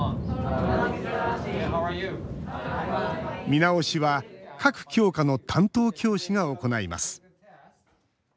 見直しは各教科の担当教師が行います。